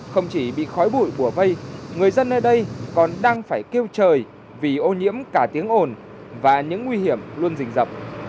không chỉ bị khói bụi bùa vây người dân nơi đây còn đang phải kêu trời vì ô nhiễm cả tiếng ồn và những nguy hiểm luôn dình dọc